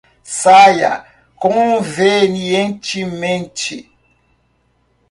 Saia convenientemente.